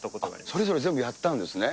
それぞれ全部やったんですね？